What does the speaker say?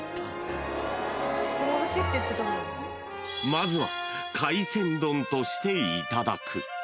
［まずは海鮮丼としていただく］